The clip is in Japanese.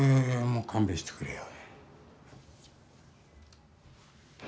もう勘弁してくれよ。